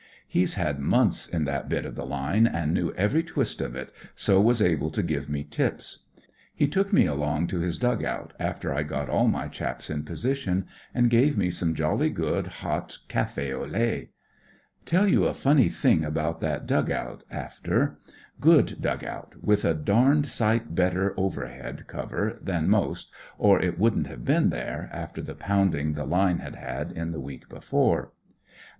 He's had months in that bit of the line, and knew every twist of it. so was able to give me tips. He took me along to his dug out, after I'd got all my chaps in position, and gave me some jolly good hot caf6 au lait. Tell you a funny thing about that {(« B 6 WHAT rrS LIKE IN THE PUSH dug out after. Good dug out, with a damed sight better overhead cover than most, or it wouldn't have been there, after the pounding the line had had in the week before.